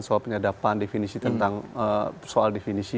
soal penyadapan definisi tentang soal definisi